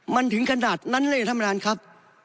มันถึงกระดาษนั้นเลยท่ำทานครับ